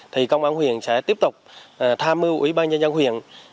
thì công an huyện sẽ tiếp tục tham mưu ủy ban nhân dân huyện